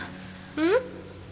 うん？